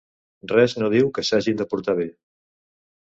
Res no diu que s'hagin de portar bé.